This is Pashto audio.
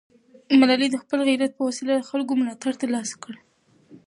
ملالۍ د خپل غیرت په وسیله د خلکو ملاتړ ترلاسه کړ.